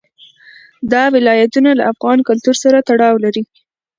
دا ولایتونه له افغان کلتور سره تړاو لري.